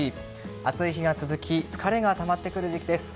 暑い日が続き疲れがたまってくる時期です。